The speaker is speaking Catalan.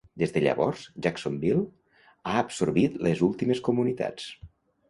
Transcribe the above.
Des de llavors, Jacksonville ha absorbit les últimes comunitats.